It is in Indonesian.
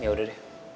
ya udah deh